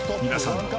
［皆さん。